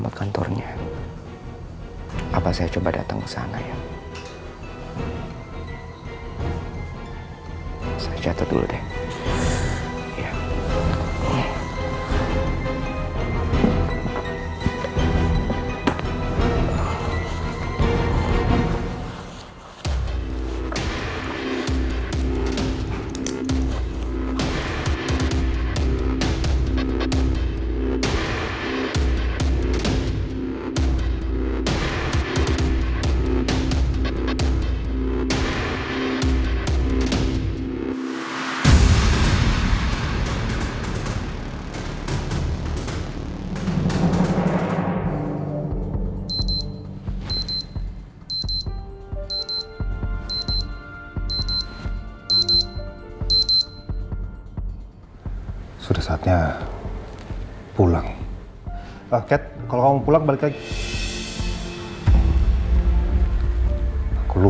sebenernya apa yang terjadi tujuh tahun yang lalu